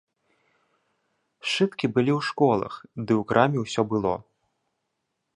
Сшыткі былі ў школах, ды ў краме ўсё было.